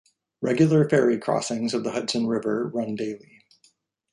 Regular ferry crossings of the Hudson River run daily.